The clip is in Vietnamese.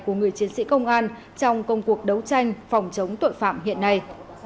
của người chiến sĩ công an trong công cuộc đấu tranh phòng chống tội phạm hiện nay